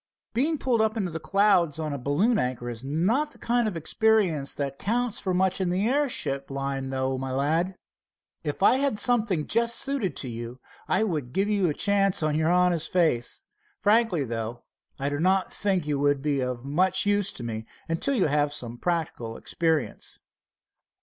Being pulled up into the clouds on a balloon anchor is not the kind of experience that counts for much in the airship line, though, my lad. If I had something just suited to you, I would give you a chance on your honest face. Frankly, though, I do not think you would be of much use to me until you have had some practical experience."